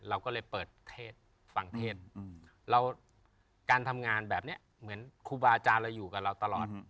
เราก็เลยเปิดเทศฟังเทศการทำงานแบบนี้เหมือนครูบาอาจารย์เราอยู่กับเราตลอด